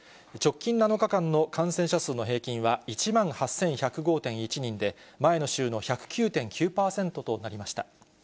直近７日間の感染者数の平均は１万８１０５．１人で、前の週の１０９．９％となりました。